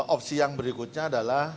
opsi yang berikutnya adalah